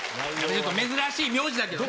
珍しい名字だけどね。